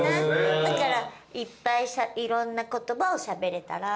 だからいっぱいいろんな言葉をしゃべれたら。